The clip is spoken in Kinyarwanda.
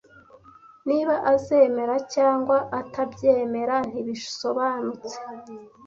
Niba azemera cyangwa atabyemera ntibisobanutse.